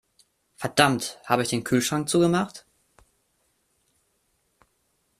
Verdammt, habe ich den Kühlschrank zu gemacht?